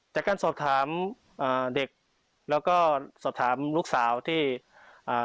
จากการสอบถามอ่าเด็กแล้วก็สอบถามลูกสาวที่อ่า